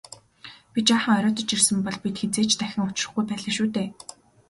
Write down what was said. Би жаахан оройтож ирсэн бол бид хэзээ ч дахин учрахгүй байлаа шүү дээ.